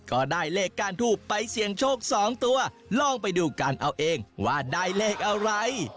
ก็ได้เลขก้านทูบไปเสี่ยงโชค๒ตัวลองไปดูกันเอาเองว่าได้เลขอะไร